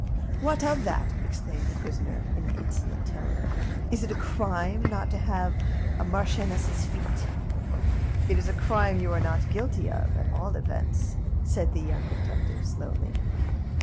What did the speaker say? "What of that?" exclaimed the prisoner, in an insolent tone. "Is it a crime not to have a marchioness's feet?" "It is a crime you are not guilty of, at all events," said the young detective slowly.